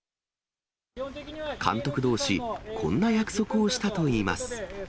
監督どうし、こんな約束をしたといいます。